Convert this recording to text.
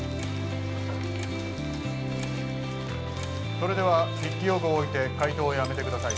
・それでは筆記用具を置いて解答をやめてください